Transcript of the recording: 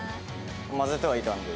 交ぜてはいたんで。